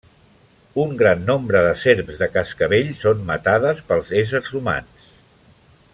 Un gran nombre de serps de cascavell són matades pels éssers humans.